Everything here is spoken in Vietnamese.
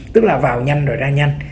tức là vào nhanh rồi ra nhanh